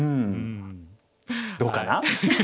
どうかな？